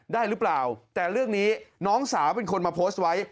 ได้หรือเปล่าแต่เรื่องนี้น้องสาวเป็นคนมาโพสต์ไว้